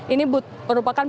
ini merupakan penantri